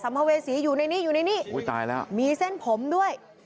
ภเวษีอยู่ในนี้อยู่ในนี้อุ้ยตายแล้วมีเส้นผมด้วย